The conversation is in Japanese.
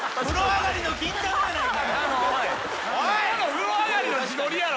風呂上がりの自撮りやろ。